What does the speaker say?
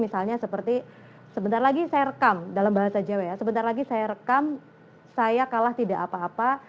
misalnya seperti sebentar lagi saya rekam dalam bahasa jawa ya sebentar lagi saya rekam saya kalah tidak apa apa